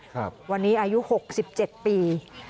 ครับวันนี้อายุ๖๗ปี